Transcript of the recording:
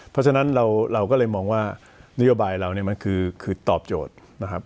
เพราะฉะนั้นเราก็เลยมองว่านโยบายเราเนี่ยมันคือตอบโจทย์นะครับ